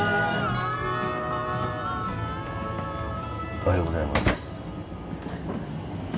おはようございます。